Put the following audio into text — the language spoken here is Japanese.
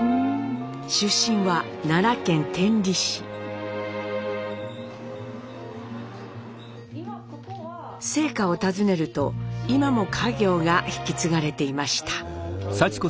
出身は奈良県生家を訪ねると今も家業が引き継がれていました。